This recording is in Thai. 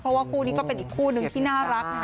เพราะว่าคู่นี้ก็เป็นอีกคู่นึงที่น่ารักนะคะ